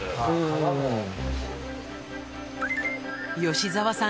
吉澤さん